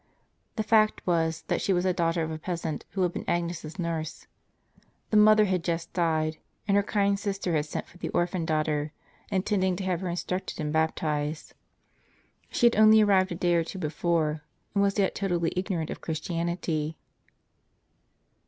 The fact was, that she was the daughter of a peasant who had been Agnes' s nurse. The mother had just died, and her kind sister had sent for the orphan daughter, intending to have her instructed and bap tized. She had only arrived a day or two before, and was yet totally ignorant of Christianity.